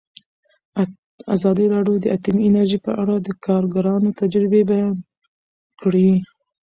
ازادي راډیو د اټومي انرژي په اړه د کارګرانو تجربې بیان کړي.